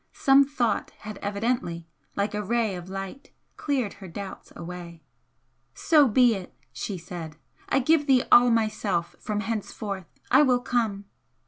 Some thought had evidently, like a ray of light, cleared her doubts away. "So be it!" she said "I give thee all myself from henceforth! I will come!"